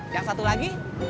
yang satu lagi